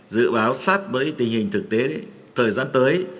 dự báo sát với tình hình thực tế thời gian tới